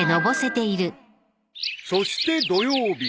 ［そして土曜日］